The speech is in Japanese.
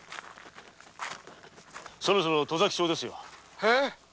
そろそろ戸崎町ですよ。え？